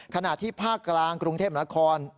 ขณะที่ภาคกลางกรุงเทพนคร